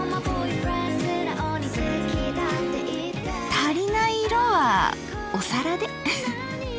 足りない色はお皿で。